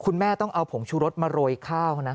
แม่ต้องเอาผงชูรสมาโรยข้าวนะ